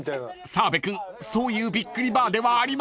［澤部君そういうびっくりバーではありません］